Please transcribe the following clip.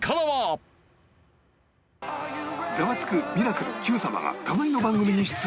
『ザワつく！』『ミラクル』『Ｑさま！！』が互いの番組に出演。